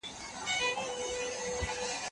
ساعت په ډېرې چټکتیا سره په حرکت کې دی.